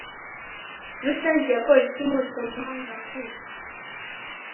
rusange ya Polisi mpuzamahanga ku